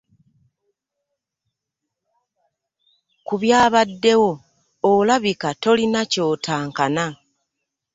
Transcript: Ku byabaddewo olabika tolina ky'otankana.